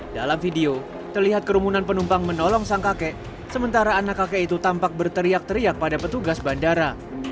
dalam video terlihat kerumunan penumpang menolong sang kakek sementara anak kakek itu tampak berteriak teriak pada petugas bandara